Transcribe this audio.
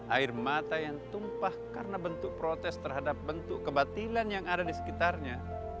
air mata yang tumpah karena bentuk protes terhadap bentuk kebatilan yang ada di sekitarnya